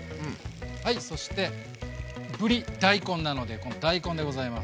そしてぶり大根なのでこの大根でございます。